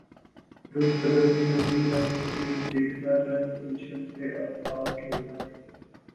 رت بدلنے لگی رنگ دل دیکھنا رنگ گلشن سے اب حال کھلتا نہیں